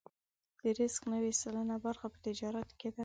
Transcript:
د رزق نوې سلنه برخه په تجارت کې ده.